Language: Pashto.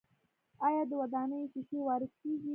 آیا د ودانیو ښیښې وارد کیږي؟